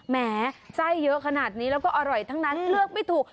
แม้ไส้เยอะขนาดนี้แล้วก็อร่อยทั้งนั้นเลือกไม่ถูก